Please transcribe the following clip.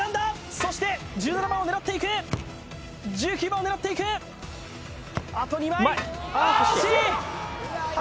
そして１７番を狙っていく１９番を狙っていくあと２枚ああ惜しい！